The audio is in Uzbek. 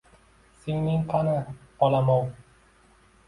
— Singling qani, bolam-ov?